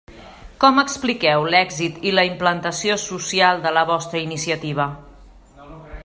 Com expliqueu l'èxit i la implantació social de la vostra iniciativa?